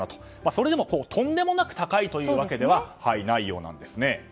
それでもとんでもなく高いというわけではないようなんです。